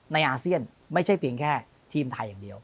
อาเซียนไม่ใช่เพียงแค่ทีมไทยอย่างเดียว